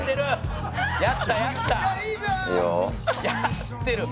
「やってる！」